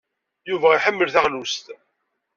Yuba iḥemmel taɣlust.